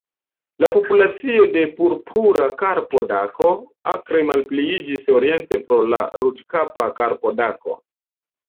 La populacio de Purpura karpodako akre malpliiĝis oriente pro la Ruĝkapa karpodako.